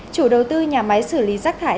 chủ đầu tư nhà máy xử lý rác thải